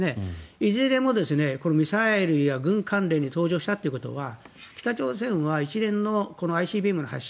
いずれも、このミサイルや軍関連に登場したということは北朝鮮は一連のＩＣＢＭの発射